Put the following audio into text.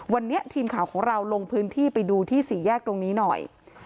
วันนี้ทีมข่าวของเราลงพื้นที่ไปดูที่สี่แยกตรงนี้หน่อย